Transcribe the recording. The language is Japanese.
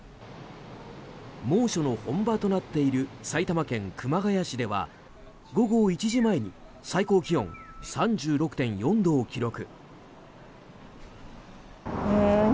猛暑の本場となっている埼玉県熊谷市では午後１時前に最高気温３６．４度を記録。